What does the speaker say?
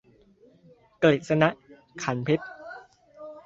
กฤษณะ ขรรค์เพชร